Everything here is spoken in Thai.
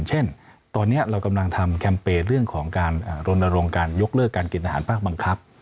เช่นตอนนี้เรากำลังทำแคมเปญเรื่องของการรณรงค์การยกเลิกการกินอาหารภาคบังคับ